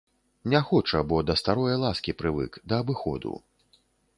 Не хоча, бо да старое ласкі прывык, да абыходу.